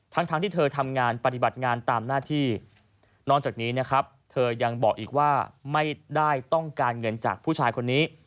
ทั้งที่เธอทำงานปฏิบัติงานตามหน้าที่นอกจากนี้นะครับเธอยังบอกอีกว่าไม่ได้ต้องการเงินจากผู้ชายคนนี้